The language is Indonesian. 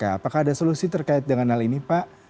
apakah ada solusi terkait dengan hal ini pak